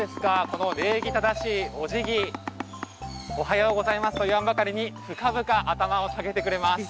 この礼儀正しいお辞儀おはようございますと言わんばかりに深々頭を下げてくれます